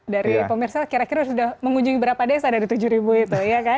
dari pemirsa kira kira sudah mengunjungi berapa desa dari tujuh ribu itu ya kan